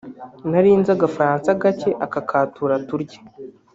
nari nzi agafaransa gake aka ka tura turye